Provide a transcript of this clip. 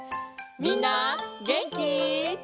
みんなげんき？